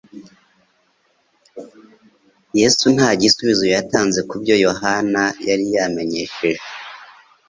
Yesu nta gisubizo yatanze ku byo Yohana yari yamenyesheje,